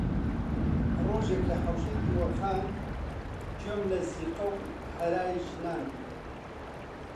ڕۆژێک لە حەوشەی دیوەخان گوێم لە زیقە و هەرای ژنان بوو